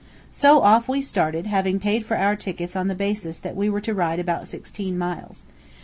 So, off we started, having paid for our tickets on the basis that we were to ride about sixteen miles.